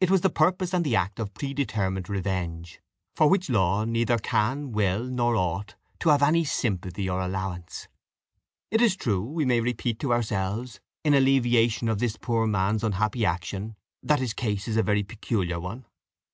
It was the purpose and the act of predetermined revenge, for which law neither can, will, nor ought to have sympathy or allowance. "It is true, we may repeat to ourselves, in alleviation of this poor man's unhappy action, that his case is a very peculiar one.